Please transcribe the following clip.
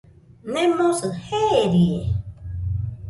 Nemosɨ jeerie.